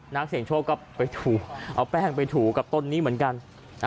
นักเสียงโชคก็ไปถูเอาแป้งไปถูกับต้นนี้เหมือนกัน